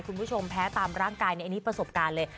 คุณผู้ชมแพ้ตามร่างกายในอันนี้ประสบการณ์เลย